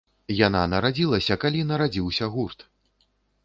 Яна нарадзілася, калі нарадзіўся гурт!